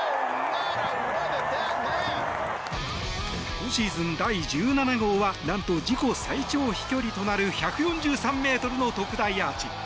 今シーズン第１７号はなんと自己最長飛距離となる１４３ｍの特大アーチ。